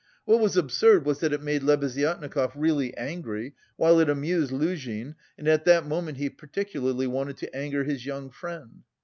What was absurd was that it made Lebeziatnikov really angry, while it amused Luzhin and at that moment he particularly wanted to anger his young friend.